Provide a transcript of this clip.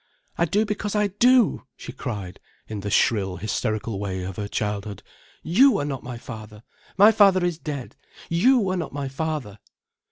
"I do because I do," she cried, in the shrill, hysterical way of her childhood. "You are not my father—my father is dead—you are not my father."